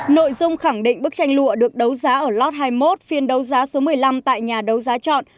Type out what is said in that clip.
nội dung khẳng định bức tranh lụa được đấu giá ở lọt hai mươi một phiên đấu giá số một mươi năm tại nhà đấu giá chọn